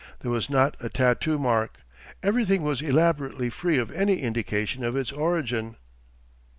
There was not a tattoo mark.... Everything was elaborately free of any indication of its origin.